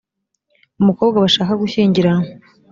umukobwa bashaka gushyingiranwa